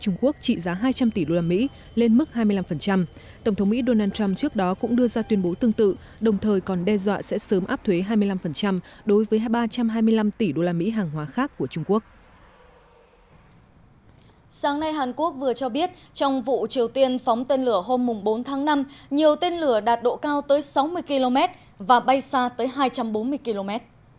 nhiều tên lửa đạt độ cao tới sáu mươi km và bay xa tới hai trăm bốn mươi km